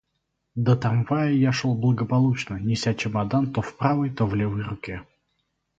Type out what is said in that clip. До трамвая я дошел благополучно, неся чемодан то в правой, то в левой руке.